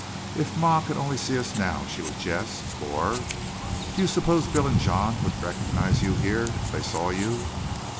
"If ma could only see us now," she would jest; or, "Do you suppose Bill and John would recognize you here if they saw you?"